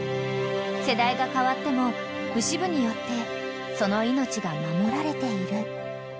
［世代が変わっても牛部によってその命が守られている］